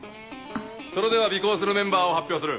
それでは尾行するメンバーを発表する。